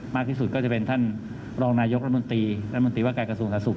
มากที่สุดก็จะเป็นท่านรองนายกรัฐมนตรีรัฐมนตรีว่าการกระทรวงสาธาสุข